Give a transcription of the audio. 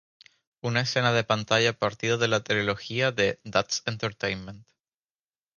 Una escena de pantalla partida de la trilogía de "That's Entertainment!